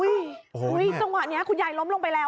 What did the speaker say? อุ้ยจังหวะคุณยายล้มลงไปแล้ว